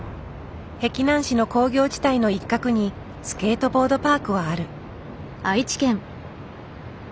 碧南市の工業地帯の一角にスケートボードパークはある。